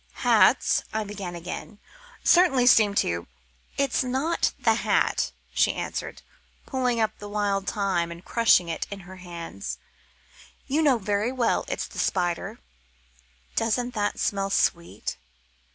"Hats," I began again, "certainly seem to " "It's not the hat," she answered, pulling up the wild thyme and crushing it in her hands, "you know very well it's the spider. Doesn't that smell sweet?"